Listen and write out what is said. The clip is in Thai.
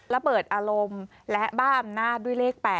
ระเบิดอารมณ์และบ้าอำนาจด้วยเลข๘